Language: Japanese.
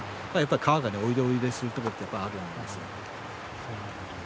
川がおいでおいでってするところやっぱりあるんですよ。